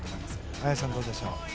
綾さん、どうでしょう？